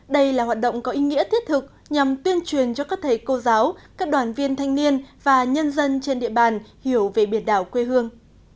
đây là hoạt động có ý nghĩa thiết thực nhằm tuyên truyền cho các thầy cô giáo các đoàn viên thanh niên và nhân dân trên địa bàn hiểu về biển đảo quê hương